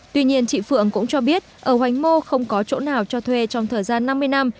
tuy nhiên chị phượng cũng cho biết ở hoành mô không có chỗ nào cho thuê trong thời gian năm mươi năm